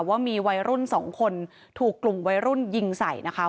ว่ามีวัยรุ่นสองคนถูกกลุ่มวัยรุ่นยิงใส่นะคะ